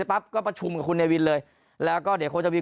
ปั๊บก็ประชุมกับคุณเนวินเลยแล้วก็เดี๋ยวคงจะวิน